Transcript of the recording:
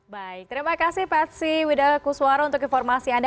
baik terima kasih pat c widha kuswara untuk informasi anda